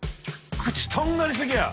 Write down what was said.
口とんがり過ぎや！